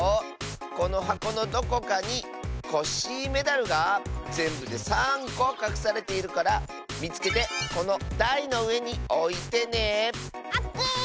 このはこのどこかにコッシーメダルがぜんぶで３こかくされているからみつけてこのだいのうえにおいてね！オッケー！